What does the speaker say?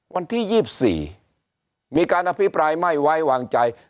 วันที่๒๔มีการอภิปรายไม่ไว้วางใจ